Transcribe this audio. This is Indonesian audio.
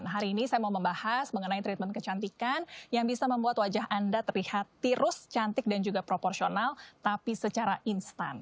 hari ini saya mau membahas mengenai treatment kecantikan yang bisa membuat wajah anda terlihat tirus cantik dan juga proporsional tapi secara instan